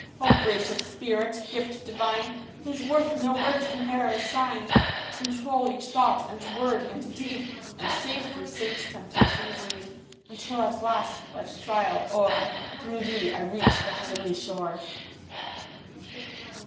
All gracious Spirit, gift divine, Whose worth no words can e'er assign — Control each thought, and word, and deed, And safe through sin's temptations lead, Until at last, life's trial o'er, Through Thee I reach the heavenly shore.